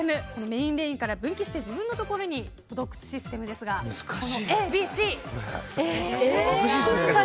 メインレーンから分岐して自分のところに届くシステムですがこのＡＢＣ。